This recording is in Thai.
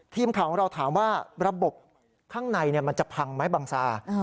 ทีมข่าวของเราถามว่าระบบข้างในมันจะพังไหมบังซา